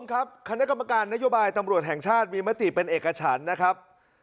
ครับคณะกรรมการนโยบายตำรวจแห่งชาติมีมติเป็นเอกฉันนะครับ